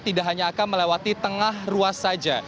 tidak hanya akan melewati tengah ruas saja